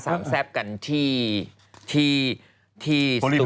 สามแซ่บกันที่ที่ที่สตูดิโอ